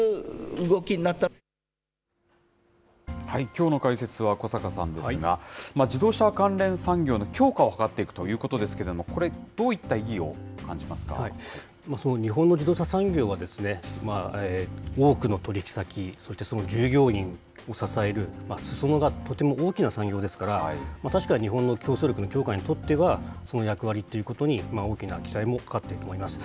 きょうの解説は小坂さんですが、自動車関連産業の強化を図っていくということですけれども、これ、日本の自動車産業は、多くの取り引き先、そしてその従業員を支えるすそ野がとても大きな産業ですから、確かに日本の競争力の強化にとっては、その役割ということに大きな期待もかかっていると思います。